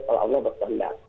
kalau allah berkendang